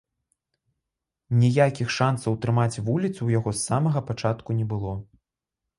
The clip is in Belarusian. Ніякіх шансаў утрымаць вуліцу ў яго з самага пачатку не было.